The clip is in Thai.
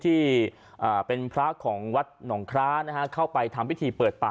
ที่เป็นพระของวัดหนองคล้านะฮะเข้าไปทำพิธีเปิดป่า